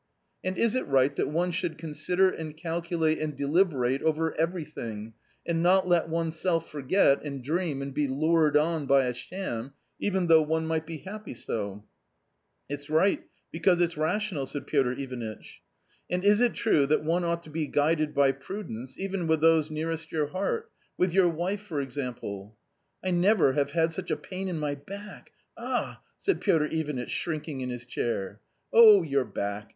" And is it right that one should consider, and calculate and deliberate over everything and not let oneself forget, and dream and be lured on by a sham, even though one might be happy so ?"" It's right because it's rational," said Piotr Ivanitch. " And is it true that one ought to be guided by prudence even with those nearest your heart— with your wife, for example ?" "I never have had such a pain in my back — ah?" said Piotr Ivanitch, shrinking in his chair. " Oh, your back